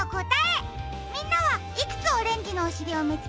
みんなはいくつオレンジのおしりをみつけられたかな？